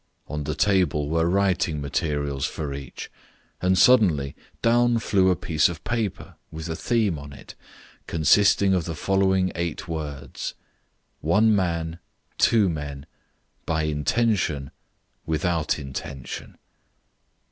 On the table were writing materials for each, and suddenly down flew a piece of paper with a theme on it, consist ing of the following eight words: "One man, two men; by intention, without intention."